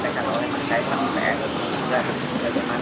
bagi komunikasi terakhir atau komunikasi awal